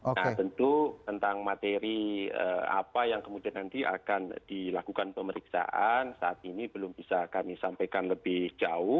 nah tentu tentang materi apa yang kemudian nanti akan dilakukan pemeriksaan saat ini belum bisa kami sampaikan lebih jauh